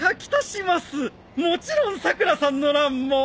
もちろんさくらさんの欄も。